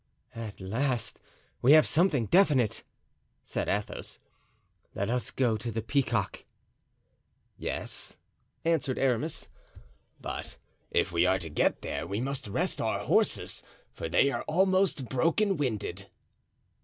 "At last we have something definite," said Athos; "let us go to the Peacock." "Yes," answered Aramis, "but if we are to get there we must rest our horses, for they are almost broken winded."